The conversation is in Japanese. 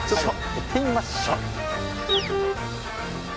行ってみましょっ。